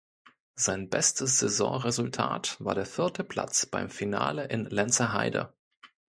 Sein bestes Saisonresultat war der vierte Platz beim Finale in Lenzerheide.